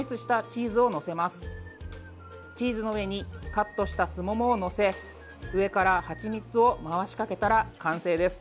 チーズの上にカットしたすももを載せ上からはちみつを回しかけたら完成です。